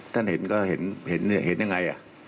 ท่านเห็นก็เห็นยังไง